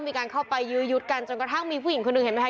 มีการเข้าไปยื้อยุดกันจนกระทั่งมีผู้หญิงคนหนึ่งเห็นไหมค